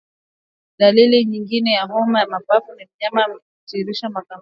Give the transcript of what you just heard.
Dalili nyingine ya homa ya mapafu ni mnyama ni mnyama kutiririsha makamasi